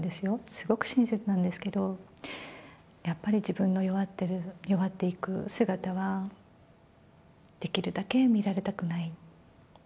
すごく親切なんですけど、やっぱり自分の弱ってる、弱っていく姿は、できるだけ見られたくない。